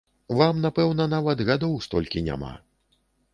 Вам, напэўна, нават гадоў столькі няма.